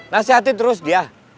nasihati terus dia